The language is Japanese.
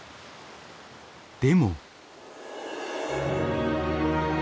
でも。